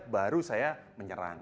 baru saya menyerang